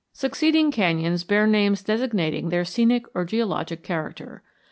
Succeeding canyons bear names designating their scenic or geologic character.